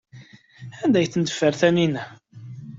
Anda ay ten-teffer Taninna?